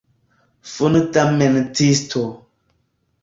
Fundamentisto.